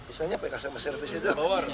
istrinya pksms service itu